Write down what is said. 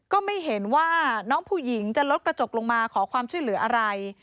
ก็ไม่เห็นว่าน้องผู้หญิงจะลดกระจกลงมาขอความช่วยเหลืออะไร